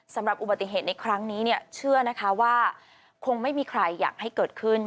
สำหรับอุบัติเหตุในครั้งนี้เนี่ยเชื่อนะคะว่าคงไม่มีใครอยากให้เกิดขึ้น